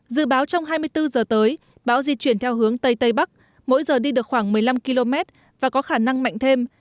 dự báo trong hai mươi bốn giờ tới bão di chuyển theo hướng tây tây bắc mỗi giờ đi được khoảng một mươi năm km và có khả năng mạnh thêm